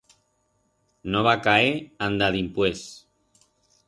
No va caer anda dimpués.